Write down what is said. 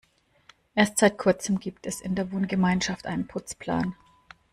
Erst seit kurzem gibt es in der Wohngemeinschaft einen Putzplan.